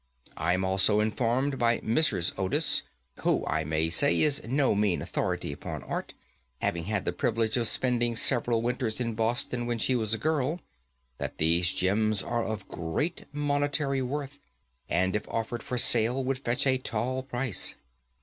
I am also informed by Mrs. Otis, who, I may say, is no mean authority upon Art, having had the privilege of spending several winters in Boston when she was a girl, that these gems are of great monetary worth, and if offered for sale would fetch a tall price.